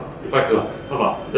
trước một mươi sáu tuổi